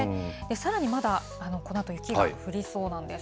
さらにまだ、このあと雪が降りそうなんです。